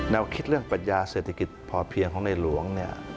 เราคิดเรื่องปรัชญาเศรษฐกิจพอเพียงของในหลวง